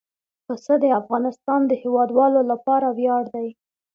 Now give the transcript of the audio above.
پسه د افغانستان د هیوادوالو لپاره ویاړ دی.